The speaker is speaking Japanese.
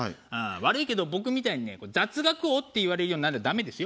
悪いけど僕みたいにね雑学王って言われるようにならないとダメですよ。